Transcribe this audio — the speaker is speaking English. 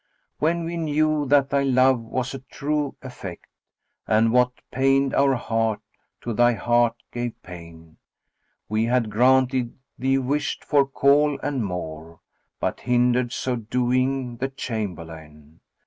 When we knew that thy love was a true affect, * And what pained our heart to thy heart gave pain, We had granted thee wished for call and more; * But hindered so doing the chamberlain.